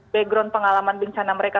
background pengalaman bencana mereka